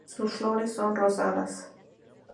Sus flores son rosadas.